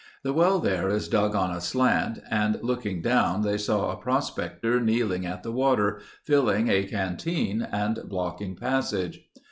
The well there is dug on a slant and looking down they saw a prospector kneeling at the water, filling a canteen and blocking passage.